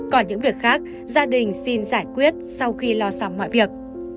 còn những việc khác gia đình xin giải quyết sau khi lo xong mọi việc